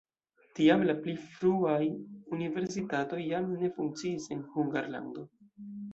Tiam la pli fruaj universitatoj jam ne funkciis en Hungarlando.